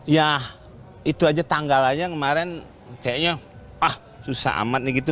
ya itu aja tanggalannya kemarin kayaknya susah amat gitu